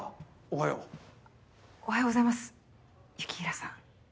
おはようございます雪平さん。